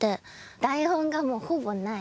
台本がもうほぼない。